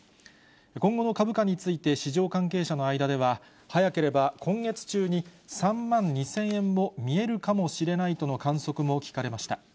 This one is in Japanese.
今後の株価について、市場関係者の間では、早ければ今月中に、３万２０００円も見えるかもしれないとの観測も聞かれました。